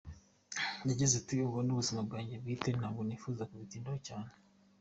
Yagize ati “Ubwo ni ubuzima bwanjye bwite, ntabwo nifuza kubitindaho cyane.